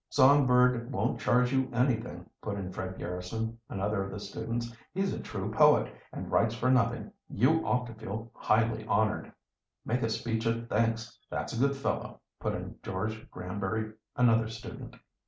"Songbird won't charge you anything," put in Fred Garrison, another of the students. "He's a true poet, and writes for nothing. You ought to feel highly honored." "Make a speech of thanks, that's a good fellow," put in George Granbury, another student.